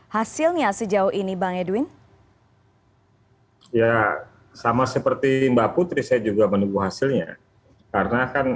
hasilnya sejauh ini bang edwin ya sama seperti mbak putri saya juga menunggu hasilnya karena kan